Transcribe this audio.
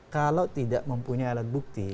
kalau tidak mempunyai alat bukti